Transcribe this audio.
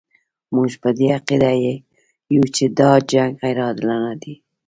موږ په دې عقیده یو چې دا جنګ غیر عادلانه دی.